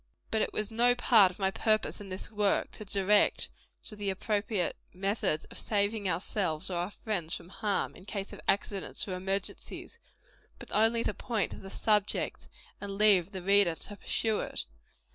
But it was no part of my purpose, in this work, to direct to the appropriate methods of saving ourselves or our friends from harm, in case of accidents or emergencies; but only to point to the subject, and leave the reader to pursue it.